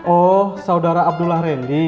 oh saudara abdullah rendi